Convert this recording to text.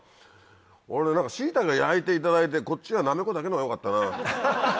俺シイタケは焼いていただいてこっちはナメコだけのがよかったなぁ。